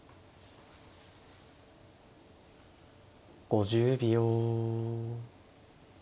５０秒。